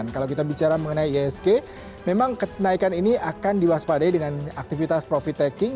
kalau kita bicara mengenai isg memang kenaikan ini akan diwaspadai dengan aktivitas profit taking